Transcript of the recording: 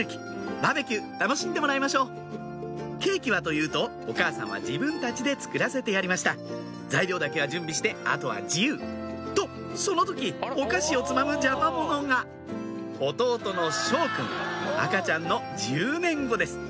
バーベキュー楽しんでもらいましょうケーキはというとお母さんは自分たちで作らせてやりました材料だけは準備してあとは自由！とその時お菓子をつまむ邪魔者が弟の赤ちゃんの１０年後です